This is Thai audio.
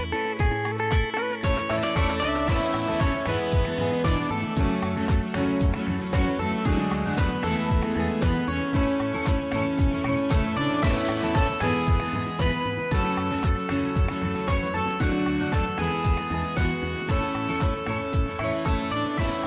โปรดติดตามตอนต่อไป